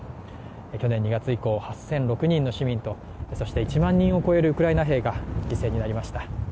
去年２月以降、８００６人の市民と１万人を超えるウクライナ兵が犠牲になりました。